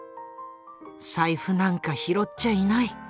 「財布なんか拾っちゃいない。